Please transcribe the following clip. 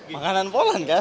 makanan poland kan